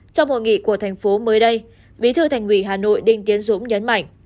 trong hội nghị của thành phố mới đây bí thư thành ủy hà nội đinh tiến dũng nhấn mạnh